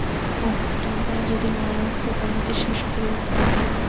ওহ, টানটা যদি না লাগত, তোমাকে শেষ করেই দিতাম।